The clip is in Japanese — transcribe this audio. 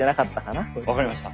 分かりました。